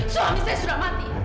suami saya sudah mati